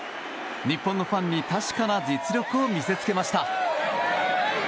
日本のファンに確かな実力を見せつけました。